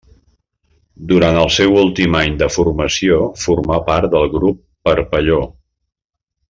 Durant el seu últim any de formació formà part del Grup Parpalló.